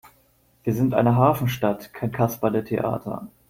Wir sind eine Hafenstadt, kein Kasperletheater!